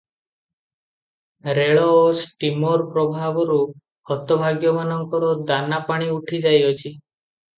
ରେଳ ଓ ଷ୍ଟୀମର ପ୍ରଭାବରୁ ହତଭାଗ୍ୟମାନଙ୍କର ଦାନା ପାଣି ଉଠି ଯାଇଅଛି ।